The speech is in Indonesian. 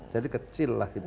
jadi kecil lah itu